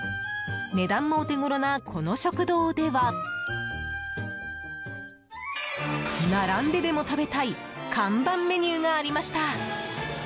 値段もお手ごろな、この食堂では並んででも食べたい看板メニューがありました。